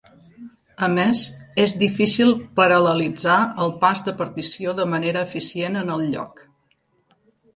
A més, és difícil paral·lelitzar el pas de partició de manera eficient en el lloc.